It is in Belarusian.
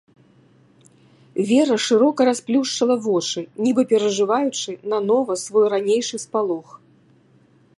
Вера шырока расплюшчыла вочы, нібы перажываючы нанова свой ранейшы спалох.